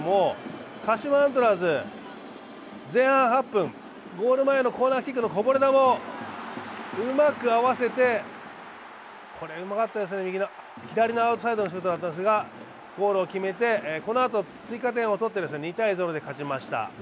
鹿島アントラーズ、前半８分、コーナーキックのこぼれ球をうまく合わせて、これうまかったですね、左のアウトサイドのシュートだったんですがこのあと、追加点をとって２−０で勝ちました。